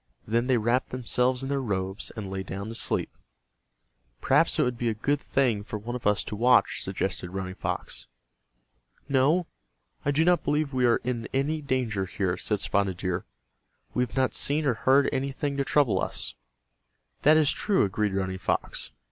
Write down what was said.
Then they wrapped themselves in their robes and lay down to sleep. "Perhaps it would be a good thing for one of us to watch," suggested Running Fox. "No, I do not believe we are in any danger here," said Spotted Deer. "We have not seen or heard anything to trouble us." "That is true," agreed Running Fox.